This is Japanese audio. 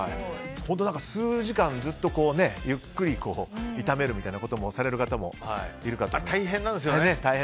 数時間ずっとゆっくり炒めるみたいなことをされる方もいるかと思います。